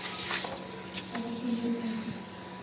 বাবাকে নিয়েও থাকে।